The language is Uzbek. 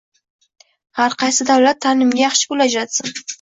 Har qaysi davlat taʼlimga yaxshi pul ajratsin